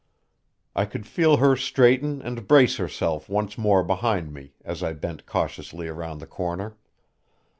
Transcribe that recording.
I could feel her straighten and brace herself once more behind me as I bent cautiously around the corner.